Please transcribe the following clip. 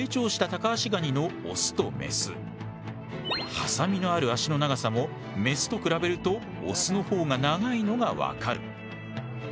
ハサミのある脚の長さもメスと比べるとオスの方が長いのが分かる。